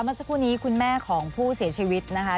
เมื่อสักครู่นี้คุณแม่ของผู้เสียชีวิตนะคะ